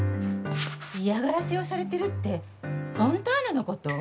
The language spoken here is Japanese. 嫌がらせをされてるってフォンターナのこと？